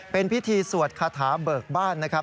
เป็นพิธีสวดคาถาเบิกบ้านนะครับ